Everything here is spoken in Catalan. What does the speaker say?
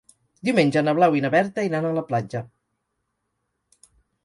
Diumenge na Blau i na Berta iran a la platja.